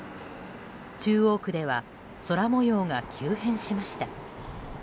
中央区では空模様が急変しました。